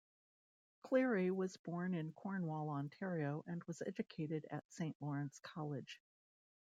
Cleary was born in Cornwall, Ontario, and was educated at Saint Lawrence College.